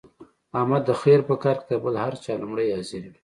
احمد د خیر په کار کې تر بل هر چا لومړی حاضر وي.